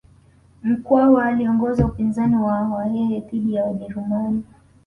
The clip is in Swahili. Mkwawa aliongoza upinzani wa wahehe dhidi ya wajerumani